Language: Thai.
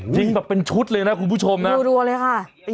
ยิงแบบเป็นชุดเลยนะคุณผู้ชมนะรัวเลยค่ะ